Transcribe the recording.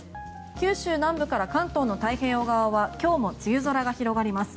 九州南部から関東の太平洋側は今日も梅雨空が広がります。